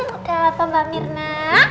udah apa mbak mirna